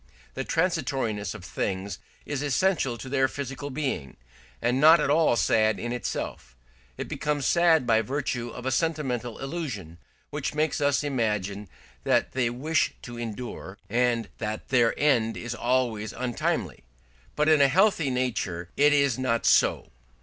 The transitoriness of things is essential to their physical being, and not at all sad in itself; it becomes sad by virtue of a sentimental illusion, which makes us imagine that they wish to endure, and that their end is always untimely; but in a healthy nature it is not so.